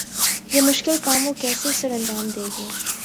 یہ مشکل کام وہ کیسے سرانجام دیں گے؟